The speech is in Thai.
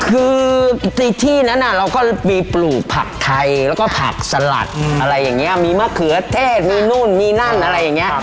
คือในที่นั้นเราก็มีปลูกผักไทยแล้วก็ผักสลัดอะไรอย่างนี้มีมะเขือเทศมีนู่นมีนั่นอะไรอย่างนี้